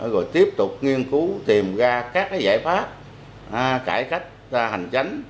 rồi tiếp tục nghiên cứu tìm ra các giải pháp cải cách hành chánh